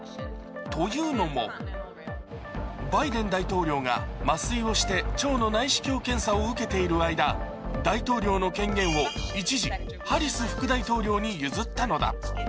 というのも、バイデン大統領が麻酔をして腸の内視鏡検査を受けている間、大統領の権限を一時、ハリス副大統領に譲ったのだ。